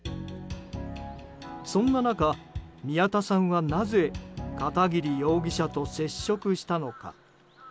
そんな中、宮田さんは、なぜ片桐容疑者と接触したのか。